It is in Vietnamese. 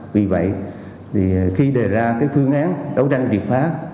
vì vậy thì khi đề ra cái phương án đấu tranh triệt phá